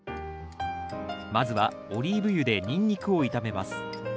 まずはオリーブ油でニンニクを炒めます